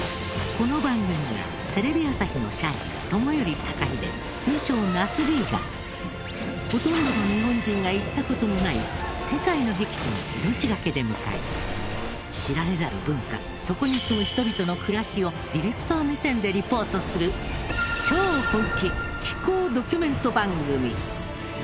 この番組は、テレビ朝日の社員友寄隆英、通称「ナスＤ」がほとんどの日本人が行った事のない世界の僻地に、命がけで向かい知られざる文化そこに住む人々の暮らしをディレクター目線でリポートする超本気紀行ドキュメント番組